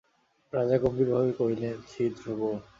রাজা গম্ভীরভাবে কহিলেন, ছি ধ্রুব!